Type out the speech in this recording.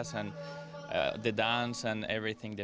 dan pembantuan dan semuanya